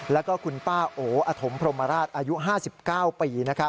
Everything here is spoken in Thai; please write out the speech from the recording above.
แล้วก็คุณป้าโออธมพรมราชอายุ๕๙ปี